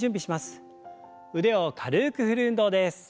腕を軽く振る運動です。